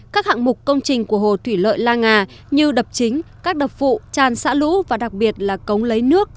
các hạng mục công trình của hồ thủy lợi la ngà như đập chính các đập phụ tràn xã lũ và đặc biệt là cống lấy nước